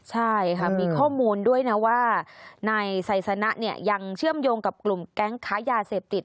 ใช่ค่ะมีข้อมูลด้วยนะว่านายไซสนะยังเชื่อมโยงกับกลุ่มแก๊งค้ายาเสพติด